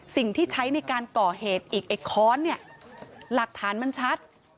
สิ่งที่ใช้ในการก่อเหตุอีกไอ้ค้อนเนี่ยหลักฐานมันชัด